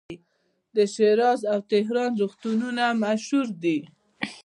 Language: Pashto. د شیراز او تهران روغتونونه مشهور دي.